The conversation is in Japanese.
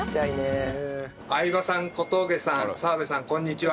相葉さん小峠さん澤部さんこんにちは。